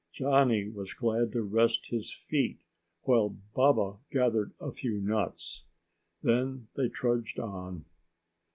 Johnny was glad to rest his feet while Baba gathered a few nuts. Then they trudged on.